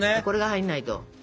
これが入んないと。